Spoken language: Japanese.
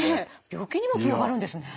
病気にもつながるんですね。